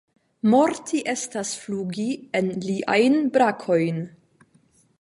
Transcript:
Morti estas flugi en liajn brakojn.